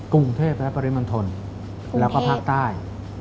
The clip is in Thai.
กรุงเทพและปริมณฑลแล้วก็ภาคใต้